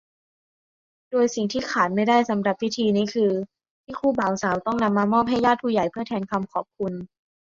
โดยสิ่งที่ขาดไม่ได้สำหรับพิธีนี้คือ ที่คู่บ่าวสาวต้องนำมามอบให้ญาติผู้ใหญ่เพื่อแทนคำขอบคุณ